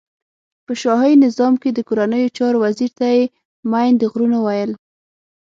په شاهی نظام کی د کورنیو چارو وزیر ته یی مین د غرونو ویل.